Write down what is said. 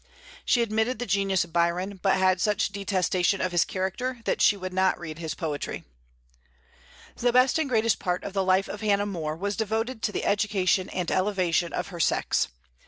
She admitted the genius of Byron, but had such detestation of his character that she would not read his poetry. The best and greatest part of the life of Hannah More was devoted to the education and elevation of her sex.